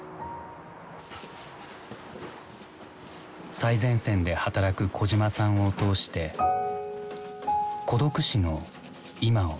最前線で働く小島さんを通して孤独死の今を見つめる。